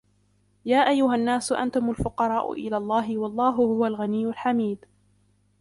يا أيها الناس أنتم الفقراء إلى الله والله هو الغني الحميد